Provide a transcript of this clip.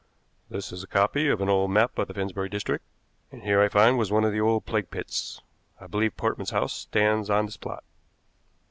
"This is a copy of an old map of the Finsbury district, and here I find was one of the old plague pits. I believe Portman's house stands on this plot."